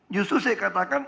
justru saya katakan